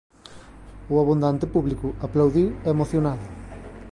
O abundante público aplaudiu emocionado.